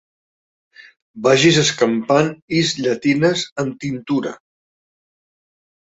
Vagis escampant is llatines amb tintura.